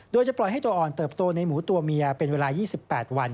โดยจะปล่อยให้ตัวอ่อนเติบโตในหมูตัวเมียเป็นเวลา๒๘วัน